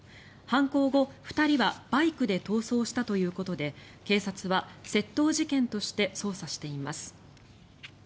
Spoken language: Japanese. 犯行後、２人はバイクで逃走したということで警察は窃盗事件として捜査しています。